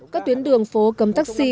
các tuyến đường phố cấm taxi